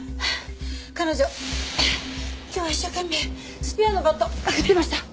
彼女今日は一生懸命スペアのバット振ってました。